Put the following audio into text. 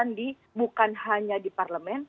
yang sangat penting untuk memiliki kekuatan yang sangat penting